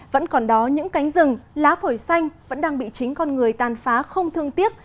vẫn còn đó những cánh rừng lá phổi xanh vẫn đang bị chính con người tàn phá không thương tiếc